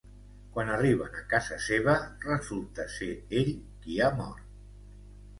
Quan arriben a casa seva, resulta ser ell qui ha mort.